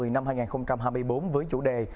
năm hai nghìn hai mươi bốn với chủ đề